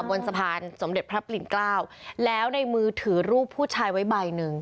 บนสะพานสมเด็จพระปลิ่นเกล้าแล้วในมือถือรูปผู้ชายไว้ใบหนึ่ง